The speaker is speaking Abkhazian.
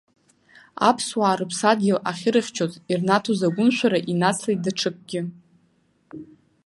Аԥсуаа рыԥсадгьыл ахьырыхьчоз ирнаҭоз агәымшәара инацлеит даҽакгьы.